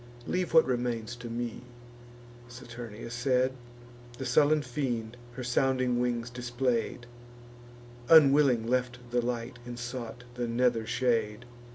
Leave what remains to me." Saturnia said: The sullen fiend her sounding wings display'd, Unwilling left the light, and sought the nether shade.